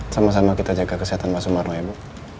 sama sama kita jaga kesehatan pak sumarno ibu